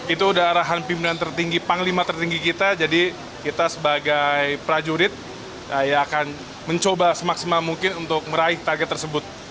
itu udah arahan pimpinan tertinggi panglima tertinggi kita jadi kita sebagai prajurit akan mencoba semaksimal mungkin untuk meraih target tersebut